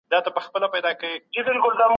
فارابي د نظم پلوی دی.